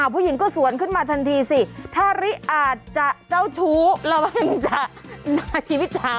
ผู้หญิงก็สวนขึ้นมาทันที